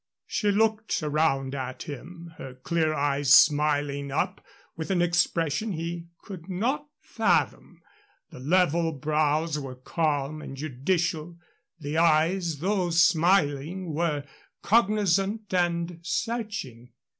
She looked around at him, her clear eyes smiling up with an expression he could not fathom. The level brows were calm and judicial the eyes, though smiling, were cognizant and searching.